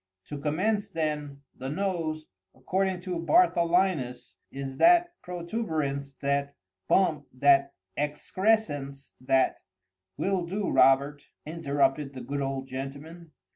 To commence then:—The nose, according to Bartholinus, is that protuberance—that bump—that excrescence—that—" "Will do, Robert," interrupted the good old gentleman.